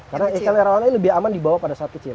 karena ikan arowana ini lebih aman dibawa pada saat kecil